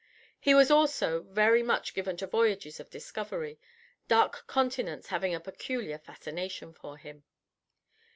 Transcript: He was also very much given to voyages of discovery, dark continents having a peculiar fascination for him.